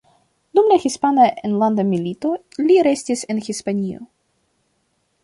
Dum la Hispana Enlanda Milito li restis en Hispanio.